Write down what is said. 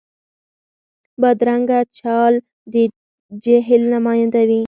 بدرنګه چال د جهل نماینده وي